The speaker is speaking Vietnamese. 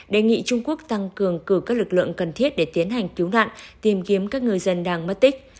đề nghị trung quốc tăng cường cử các lực lượng cần thiết để tiến hành cứu nạn tìm kiếm các người dân đang mất tích